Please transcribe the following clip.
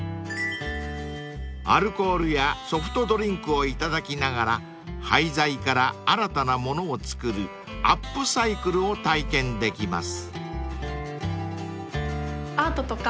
［アルコールやソフトドリンクをいただきながら廃材から新たな物を作るアップサイクルを体験できます］